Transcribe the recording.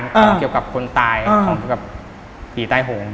ของเกี่ยวกับคนตายของกับผีใต้โหง